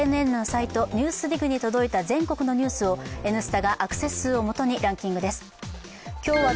ＴＢＳ・ＪＮＮのサイト「ＮＥＷＳＤＩＧ」に届いた全国のニュースを「Ｎスタ」がアクセス数を元にランキングです。